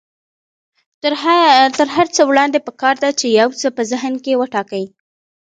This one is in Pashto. تر هر څه وړاندې پکار ده چې يو څه په ذهن کې وټاکئ.